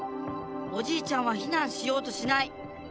おじいちゃんは避難しようとしない。